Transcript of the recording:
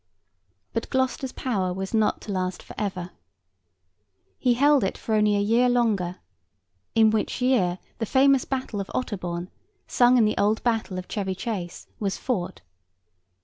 But Gloucester's power was not to last for ever. He held it for only a year longer; in which year the famous battle of Otterbourne, sung in the old ballad of Chevy Chase, was fought.